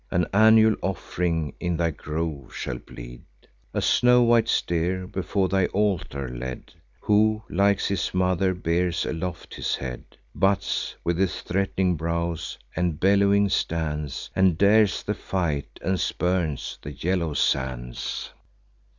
An annual off'ring in thy grove shall bleed; A snow white steer, before thy altar led, Who, like his mother, bears aloft his head, Butts with his threat'ning brows, and bellowing stands, And dares the fight, and spurns the yellow sands."